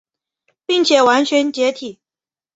并且完全解体。